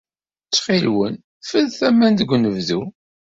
Ttxil-wen, ffret aman deg unebdu.